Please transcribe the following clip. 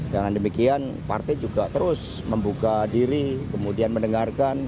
dengan demikian partai juga terus membuka diri kemudian mendengarkan